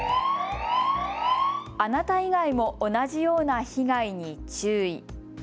あなた以外も同じような被害に注意。